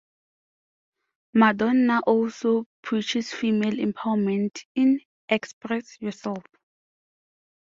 Madonna also preaches female empowerment in "Express Yourself".